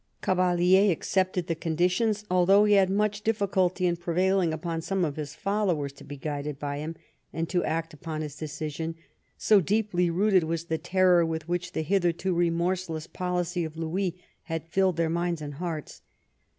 Cavalier ^accepted the conditions, although he had much diffi culty in prevailing upon some of his followers to be guided by him and to act upon his decision, so deeply rooted was the terror with which the hitherto remorse less policy of Louis had filled their minds and hearts.